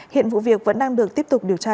hiện vụ việc vẫn đang được tiếp tục điều tra